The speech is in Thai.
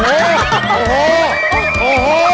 โอ้โห